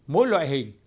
mỗi loại hình